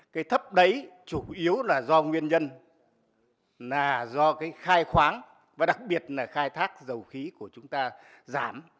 cái thấp đấy chủ yếu là do nguyên nhân là do cái khai khoáng và đặc biệt là khai thác dầu khí của chúng ta giảm